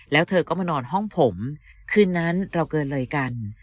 แล้วเธอก็มานอนห้องผมคืนนั้นเราเกินเลยกัน